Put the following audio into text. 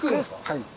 はい。